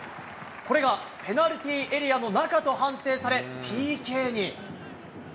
これがペナルティーエリアの中と判定され、ＰＫに。